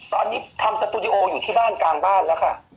ตอนนี้ทำสตูดิโออยู่ที่บ้านกลางบ้านแล้วค่ะ